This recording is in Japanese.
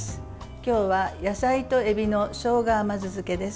今日は、野菜とえびのしょうが甘酢漬けです。